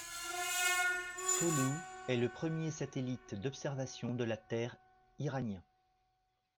Toloo est le premier satellite d'observation de la Terre iranien.